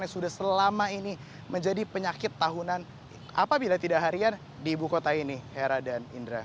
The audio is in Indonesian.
yang sudah selama ini menjadi penyakit tahunan apabila tidak harian di ibu kota ini hera dan indra